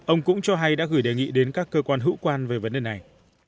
ông cũng cho hay đã gửi đề nghị đến các cơ quan hữu quan về vấn đề này